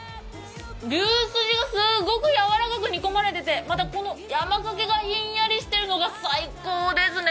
牛すじがすごくやわらかく煮込まれていてまた、山かけがひんやりしてるのが最高ですね。